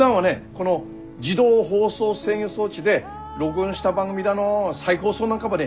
この自動放送制御装置で録音した番組だの再放送なんかもね